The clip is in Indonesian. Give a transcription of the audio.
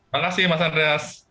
terima kasih mas andreas